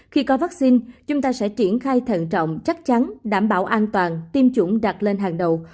khi có vaccine chúng ta sẽ triển khai thận trọng chắc chắn đảm bảo an toàn tiêm chủng đặt lên hàng đầu